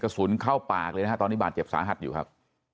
เข้าปากเลยนะฮะตอนนี้บาดเจ็บสาหัสอยู่ครับ